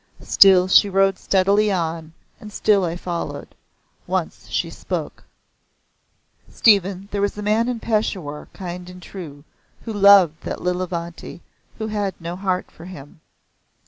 Still she rode steadily on, and still I followed. Once she spoke. "Stephen, there was a man in Peshawar, kind and true, who loved that Lilavanti who had no heart for him.